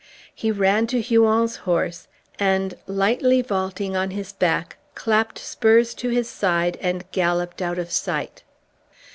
He ran to Huon's horse, and lightly vaulting on his back, clapped spurs to his side, and galloped out of sight.